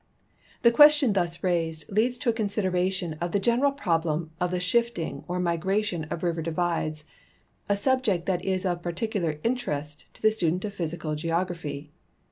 — The question thus raised leads to a consideration of the general problem of the shifting or migra tion of river divides, a subject that is of particular interest to the student of ])li3^sical geogra[)hy.